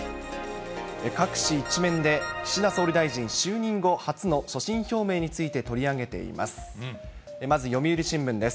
各紙１面で、岸田総理大臣、就任後初の所信表明について取り上げています。